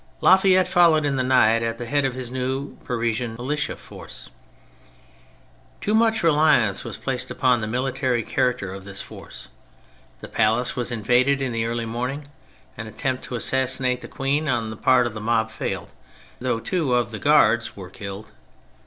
La Fayette followed in the night at the head of his new Parisian militia force. Too much reliance was placed upon the military character of this force; the palace was invaded in the early morning, an attempt to assassinate the Queen on the part of tlxe mob failed, though two of the Guards were killed.